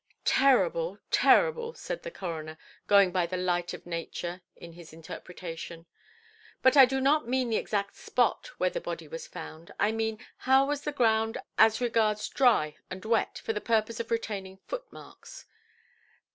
"Terrible, terrible", said the coroner, going by the light of nature in his interpretation; "but I do not mean the exact spot only where the body was found. I mean, how was the ground as regards dry and wet, for the purpose of retaining footmarks"?